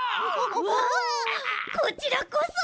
うわこちらこそ！